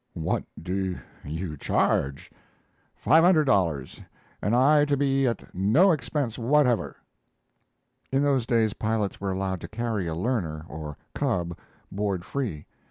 "What do you charge?" "Five hundred dollars, and I to be at no expense whatever." In those days pilots were allowed to carry a learner, or "cub," board free. Mr.